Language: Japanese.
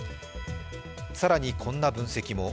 更にこんな分析も。